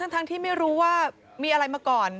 ทั้งที่ไม่รู้ว่ามีอะไรมาก่อน